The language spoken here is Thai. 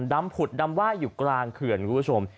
ดำผุดดำว่าอยู่กลางเขื่อนคุณผู้ชม